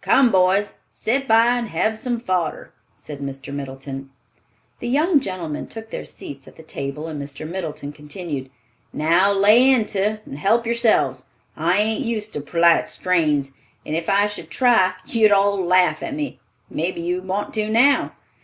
"Come, boys, set by and have some fodder!" said Mr. Middleton. The young gentlemen took their seats at the table and Mr. Middleton continued, "Now lay into 't and help yourselves. I ain't used to perlite strains, and if I should try you'd all larf at me—mebby you want to now.